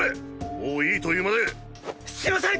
もういいと言うまですみません！